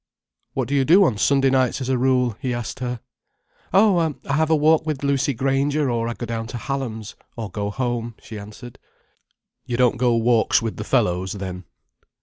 "What do you do on Sunday nights as a rule?" he asked her. "Oh, I have a walk with Lucy Grainger—or I go down to Hallam's—or go home," she answered. "You don't go walks with the fellows, then?"